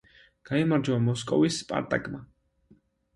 გაიმარჯვა მოსკოვის „სპარტაკმა“.